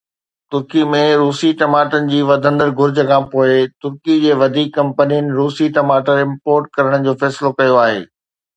ترڪي ۾ روسي ٽماٽن جي وڌندڙ گهرج کانپوءِ ترڪي جي وڌيڪ ڪمپنين روسي ٽماٽر امپورٽ ڪرڻ جو فيصلو ڪيو آهي.